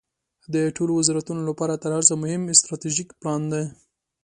د ټولو وزارتونو لپاره تر هر څه مهم استراتیژیک پلان ده.